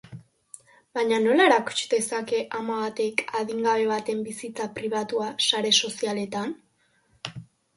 Baina nola erakuts dezake ama batek adingabe baten bizitza pribatua sare sozialetan?